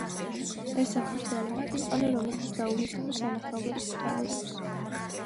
ეს საქართველოა, ქვეყანა, რომელიც დაუვიწყარ სანახაობებს გთავაზობს!